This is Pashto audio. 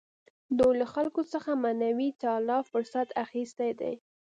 دوی له خلکو څخه معنوي تعالي فرصت اخیستی دی.